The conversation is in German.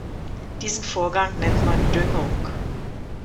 Diesen Vorgang nennt man Düngung.